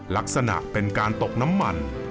ลักษณะเป็นการตกน้ำมัน